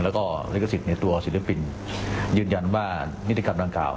แล้วก็ลิขสิทธิ์ในตัวศิลปินยืนยันว่านิติกรรมดังกล่าว